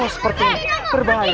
kau seperti ini berbahaya